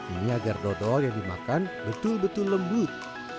ini agar dodol yang dimakan betul betul lembut